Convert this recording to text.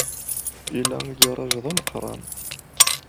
Ila agaṛaj d ameqran.